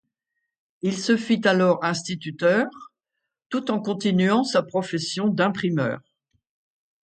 Il se fit alors instituteur, tout en continuant sa profession d'imprimeur.